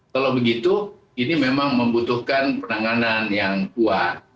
kalau begitu ini memang membutuhkan penanganan yang kuat